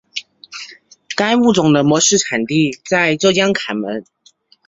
该物种的模式产地在浙江坎门。